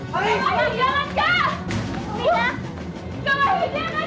kawahyu jangan kabur